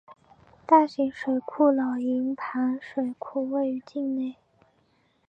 大型水库老营盘水库位于境内。